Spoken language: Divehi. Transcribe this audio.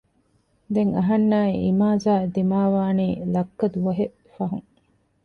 ދެން އަހަންނާއި އިމާޒާއި ދިމާވާނީ ލައްކަ ދުވަހެއް ފަހުން